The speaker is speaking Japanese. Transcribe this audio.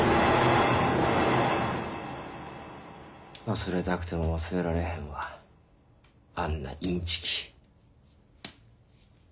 忘れたくても忘れられへんわあんなインチキ。